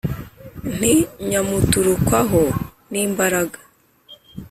nti: nyamuturukwaho n'imbaraga